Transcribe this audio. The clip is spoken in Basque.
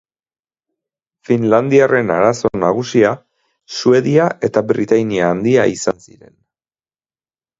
Finlandiarren arazo nagusia, Suedia eta Britainia Handia izan ziren.